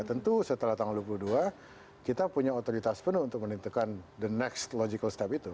tentu setelah tanggal dua puluh dua kita punya otoritas penuh untuk menentukan the next logical step itu